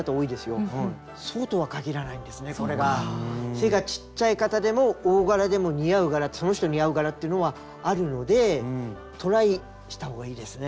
背がちっちゃい方でも大柄でも似合う柄その人に合う柄っていうのはあるのでトライしたほうがいいですね。